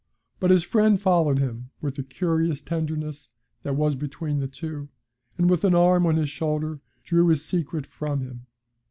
But his friend followed him, with the curious tenderness that was between the two, and with an arm on his shoulder, drew his secret from him.